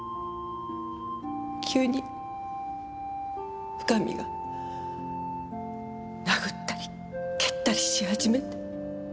急に深見が殴ったり蹴ったりし始めて。